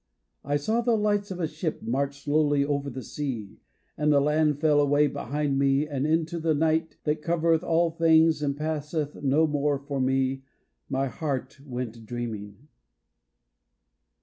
I saw the lights of a ship march slowly over the sea, And the land fell away behind me, and into the night That covereth all things and passeth no more for me, My heart went dreaming.